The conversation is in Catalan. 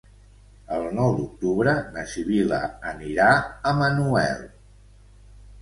El nou d'octubre na Sibil·la anirà a Manuel.